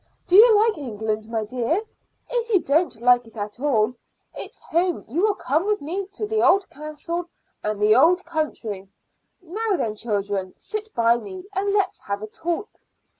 Do you like England, my dear? If you don't like it all at all, it's home you will come with me to the old castle and the old country. Now then, children, sit by me and let's have a talk.